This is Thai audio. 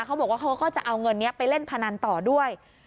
เขาบอกว่าเขาก็จะเอาเงินนี้ไปเล่นพนันต่อด้วย